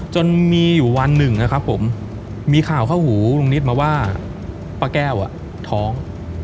จนมีอยู่วันหนึ่งนะครับผมมีข่าวเข้าหูลุงนิดมาว่าป้าแก้วท้อง